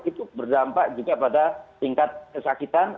itu berdampak juga pada tingkat kesakitan